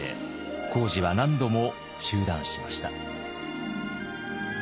工事は何度も中断しました。